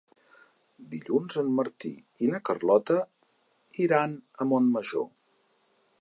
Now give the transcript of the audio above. Dilluns en Martí i na Carlota iran a Montmajor.